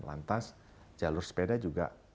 lantas jalur sepeda juga